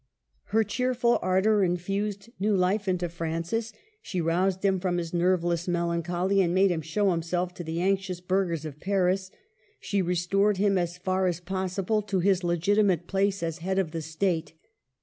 Her cheerful ardor infused new life into Fran cis. She roused him from his nerveless melan choly, and made him show himself to the anxious burghers of Paris. She restored him, as far as possible, to his legitimate place as head of the State.